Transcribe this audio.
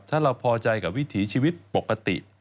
ถ้าเราพอใจกับวิถีชีวิตปกติ